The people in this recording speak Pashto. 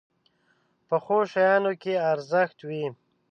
پخو شیانو کې ارزښت وي